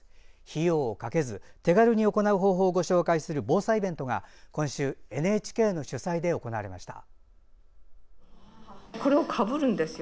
費用をかけず、手軽に行う方法をご紹介する防災イベントが今週ＮＨＫの主催で行われました。